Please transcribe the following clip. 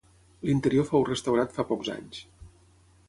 L'interior fou restaurat fa pocs anys.